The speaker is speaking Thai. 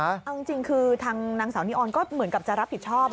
เอาจริงคือทางนางสาวนิออนก็เหมือนกับจะรับผิดชอบ